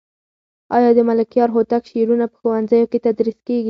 آیا د ملکیار هوتک شعرونه په ښوونځیو کې تدریس کېږي؟